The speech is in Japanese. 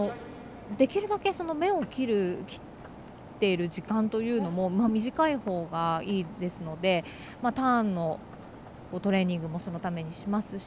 できるだけ目を切っている時間というのは短いほうがいいですのでターンのトレーニングもそのためにしますし。